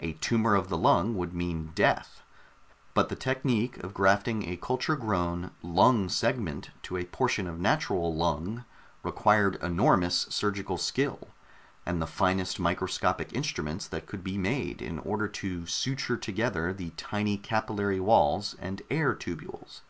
A tumor of the lung would mean death ... but the technique of grafting a culture grown lung segment to a portion of natural lung required enormous surgical skill, and the finest microscopic instruments that could be made in order to suture together the tiny capillary walls and air tubules.